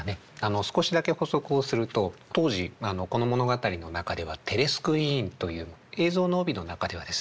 少しだけ補足をすると当時この物語の中ではテレスクリーンという「映像の帯」の中ではですね